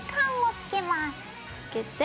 つけて。